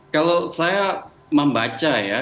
kalau saya membaca ya